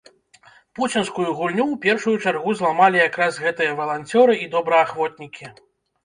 Пуцінскую гульню ў першую чаргу зламалі як раз гэтыя валанцёры і добраахвотнікі.